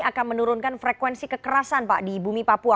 akan menurunkan frekuensi kekerasan pak di bumi papua